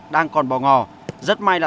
đang còn bỏ ngò rất may là